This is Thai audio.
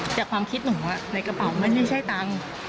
แต่ความคิดหนูในกระเป๋าไม่ใช่ตังค์